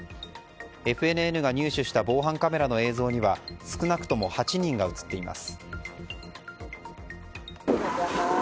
ＦＮＮが入手した防犯カメラの映像には少なくとも８人が映っています。